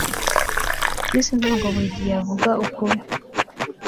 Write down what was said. Chris ntabwo buri gihe avuga ukuri